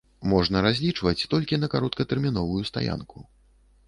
Можна разлічваць толькі на кароткатэрміновую стаянку.